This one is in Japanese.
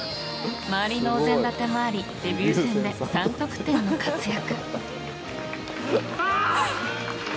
周りのおぜん立てもありデビュー戦で３得点の活躍。